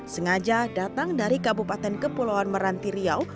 sengaja datang dari kabupaten kepulauan meranti riau